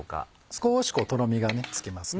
少しこうとろみがつきますね。